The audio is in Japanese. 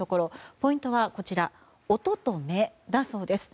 ポイントは、音と目だそうです。